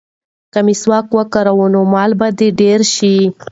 که مسواک وکاروې نو مال به دې ډېر شي.